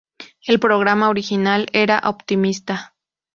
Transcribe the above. El programa original era optimista.